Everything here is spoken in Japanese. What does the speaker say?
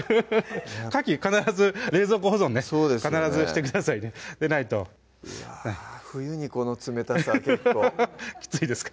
かき必ず冷蔵庫保存ね必ずしてくださいねでないとね冬にこの冷たさ結構きついですか？